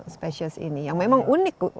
spesies ini yang memang unik